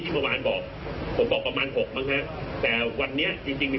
ที่ประมาณบอกผมบอกประมาณหกบางค่ะแต่วันนี้จริงจริงมี